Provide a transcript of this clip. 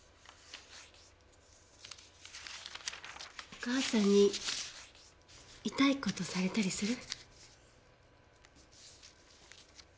お母さんに痛いことされたりする？